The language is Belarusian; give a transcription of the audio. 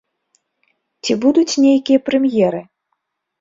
Ці будуць нейкія прэм'еры?